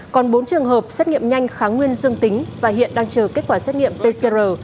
còn bốn trường hợp xét nghiệm nhanh kháng nguyên dương tính và hiện đang chờ kết quả xét nghiệm pcr